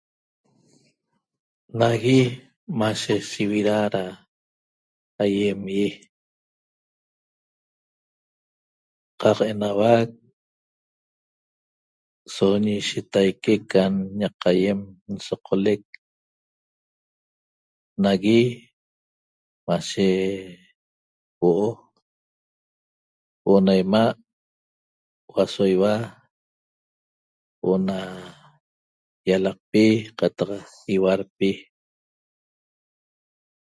Nagui mashe sivida da aýem ýi qaq enauac so ñishitaique can ñaq aýem nsoqolec nagui mashe huo'o huo'o na 'ima' huo'o aso ýiua huo'o na ýialaqpi qataq ýiaudpi